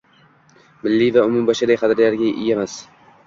Milliy va umumbashariy qadriyatlarga egamiz